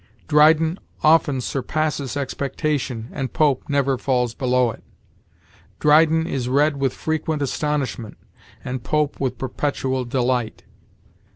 Dryden often surpasses expectation, and Pope never falls below it. Dryden is read with frequent astonishment, and Pope with perpetual delight.